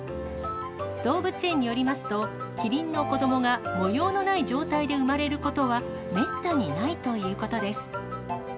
動物園によりますと、キリンの子どもが模様のない状態で生まれることはめったにないということです。